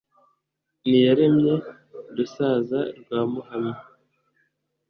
n'iyaremye, rusaza rwa muhanyi,